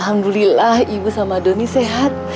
alhamdulillah ibu sama doni sehat